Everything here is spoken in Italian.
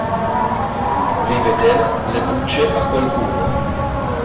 Riveder le bucce a qualcuno.